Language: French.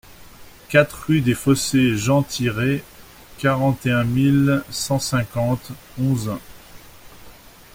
quatre rue des Fossés Jean Tirés, quarante et un mille cent cinquante Onzain